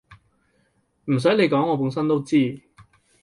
唔洗你講我本身都知